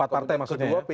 empat partai maksudnya ya